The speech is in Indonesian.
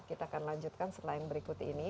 kita akan lanjutkan setelah yang berikut ini